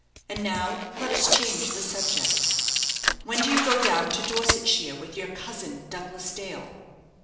And now let us change the subject. When do you go down to Dorsetshire with your cousin, Douglas Dale?"